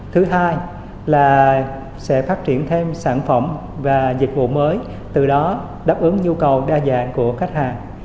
thứ hai là sẽ phát triển thêm sản phẩm và dịch vụ mới từ đó đáp ứng nhu cầu đa dạng của khách hàng